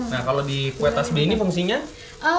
nah kalau di kue tasbih ini fungsinya